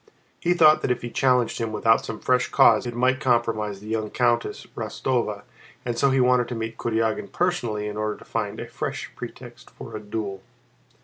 He thought that if he challenged him without some fresh cause it might compromise the young Countess Rostóva and so he wanted to meet Kurágin personally in order to find a fresh pretext for a duel.